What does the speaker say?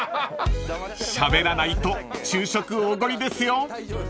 ［しゃべらないと昼食おごりですよ！］